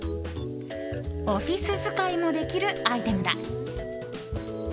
オフィス使いもできるアイテムだ。